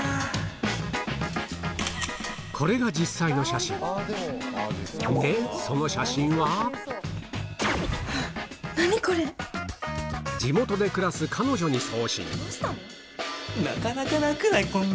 これが実際の写真その写真は地元で暮らす彼女に送信どうしたの？